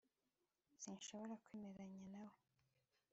sinshobora kwemeranya nawe